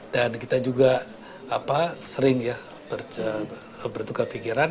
dan kita juga sering ya bertukar pikiran